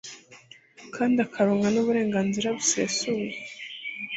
kandi akaronka n'uburenganzira bisesuye